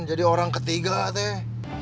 jadi orang ketiga teh